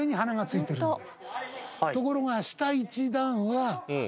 ところが下１段は。